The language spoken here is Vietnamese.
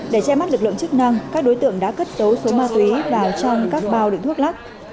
để che mắt lực lượng chức năng các đối tượng đã cất số ma túy vào trong các bao định thuốc lắc